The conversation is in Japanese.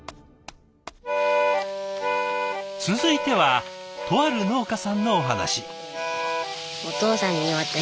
続いてはとある農家さんのお話。